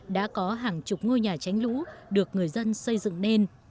đã có hàng chục ngôi nhà tránh lũ được người dân xây dựng nên